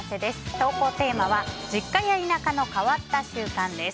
投稿テーマは実家や田舎の変わった習慣です。